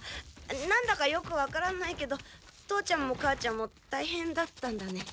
なんだかよくわからないけど父ちゃんも母ちゃんもたいへんだったんだね。